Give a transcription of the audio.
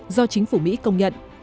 do chính phủ mỹ công nhận